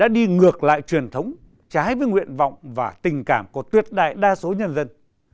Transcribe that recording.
lực lại truyền thống trái với nguyện vọng và tình cảm của tuyệt đại đa số nhân dân